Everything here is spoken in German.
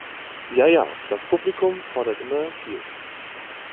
Ja ja, das Publikum fordert immer viel.